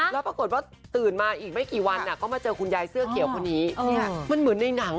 แล้วปรากฏว่าตื่นมาอีกไม่กี่วันก็มาเจอคุณยายเสื้อเขียวคนนี้มันเหมือนในหนัง